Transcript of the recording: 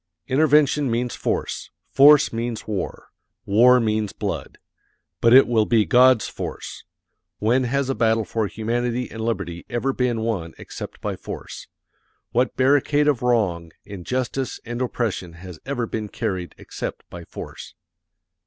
Intervention means force. Force means war. War means blood. But it will be God's force. When has a battle for humanity and liberty ever been won except by force? What barricade of wrong, injustice, and oppression has ever been carried except by force?